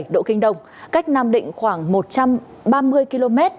một trăm linh bảy độ kinh đồng cách nam định khoảng một trăm ba mươi km